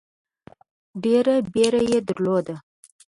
ډېره بیړه یې درلوده.